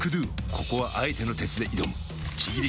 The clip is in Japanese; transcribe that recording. ここはあえての鉄で挑むちぎり